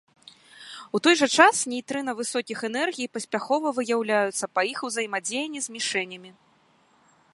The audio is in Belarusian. У той жа час нейтрына высокіх энергій паспяхова выяўляюцца па іх узаемадзеянні з мішэнямі.